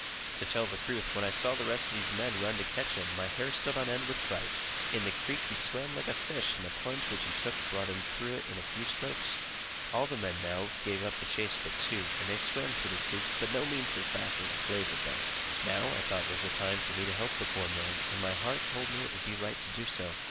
To tell the truth, when I saw all the rest of the men run to catch him, my hair stood on end with fright. In the creek, he swam like a fish, and the plunge which he took brought him through it in a few strokes. All the men now gave up the chase but two, and they swam through the creek, but by no means so fast as the slave had done. Now, I thought, was the time for me to help the poor man, and my heart told me it would be right to do so.